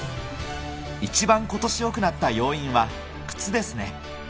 一番ことしよくなった要因は、靴ですね。